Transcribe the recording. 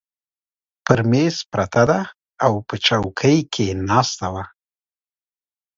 پر مېز پرته ده، او په چوکۍ کې ناسته وه.